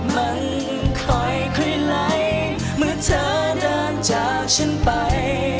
มันค่อยไหลเมื่อเธอเดินจากฉันไป